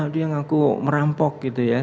dia ngaku merampok gitu ya